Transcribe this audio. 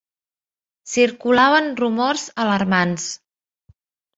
Circulaven rumors alarmants